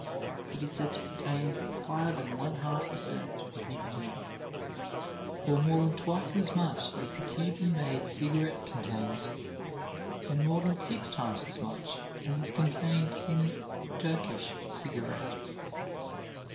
It is said to contain five and one half per cent. of nicotine, or more than twice as much as the Cuban made cigarette contains, and more than six times as much as is contained in the Turkish cigarette.